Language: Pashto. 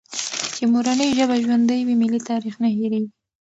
چي مورنۍ ژبه ژوندۍ وي، ملي تاریخ نه هېرېږي.